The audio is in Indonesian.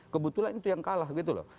kebetulan itu yang kalah gitu loh